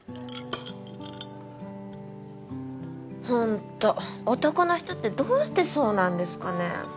ホント男の人ってどうしてそうなんですかねぇ。